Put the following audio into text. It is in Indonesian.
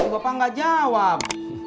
bapak nggak jawab